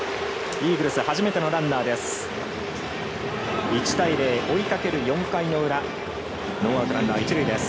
イーグルス初めてのランナーです。